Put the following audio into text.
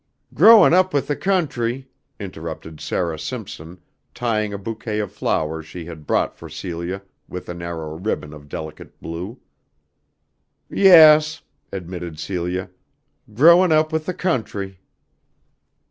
"Growin' up with the country," interrupted Sarah Simpson, tying a bouquet of flowers she had brought for Celia with a narrow ribbon of delicate blue. "Yes," admitted Celia, "growing up with the country."